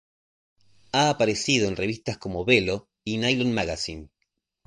Ha aparecido en revistas como Bello y Nylon Magazine.